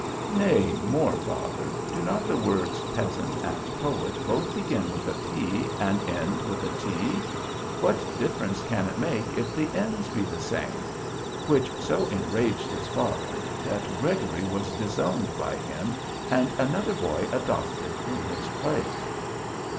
Nay, more, father, do not the words peasant and poet both begin with a P and end with a T? What difference can it make if the ends be the same?' which so enraged his father that Gregory was disowned by him, and another boy adopted in his place.